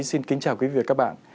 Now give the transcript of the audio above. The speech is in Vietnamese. xin kính chào quý vị và các bạn